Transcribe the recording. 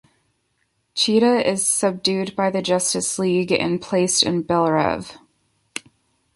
Cheetah is subdued by the Justice League and placed in Belle Reve.